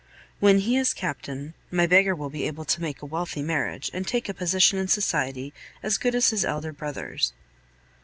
When he is Captain, my beggar will be able to make a wealthy marriage, and take a position in society as good as his elder brother's.